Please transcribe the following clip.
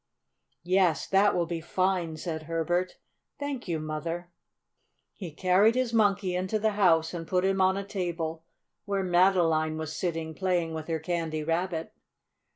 "Yes, that will be fine," said Herbert. "Thank you, Mother." He carried his Monkey into the house and put him on a table, where Madeline was sitting, playing with her Candy Rabbit.